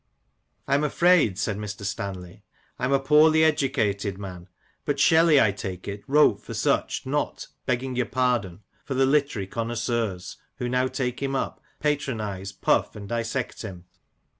*' I am afraid," said Mr. Stanley, "I am a poorly educated man ; but Shelley, I take it, wrote for such, not (begging your pardon) for the literary connoisseurs who now take him up, patronize, puff, and dissect him."